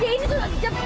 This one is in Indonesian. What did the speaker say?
ini tuh gak di cepet